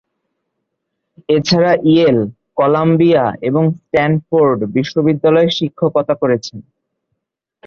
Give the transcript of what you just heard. এছাড়া Yale, Columbia এবং Stanford বিশ্ববিদ্যালয়ে শিক্ষকতা করেছেন।